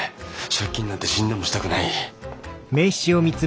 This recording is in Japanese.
借金なんて死んでもしたくない！